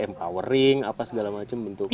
ya ada juga yang kering apa segala macam bentuknya